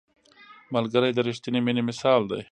ملګری د رښتیني مینې مثال دی